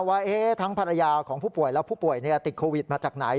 ว่าทั้งภรรยาของผู้ป่วยและผู้ป่วยติดโควิดมาจากไหน